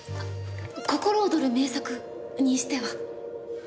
「心躍る名作」にしては？